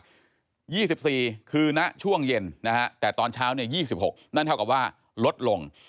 ๒๔เซนติเมตรคือนะช่วงเย็นนะฮะแต่ตอนเช้าเนี่ย๒๖เซนติเมตรนั่นเท่ากับว่าลดลง